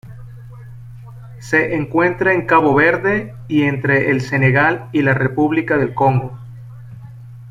Se encuentra en Cabo Verde y entre el Senegal y la República del Congo.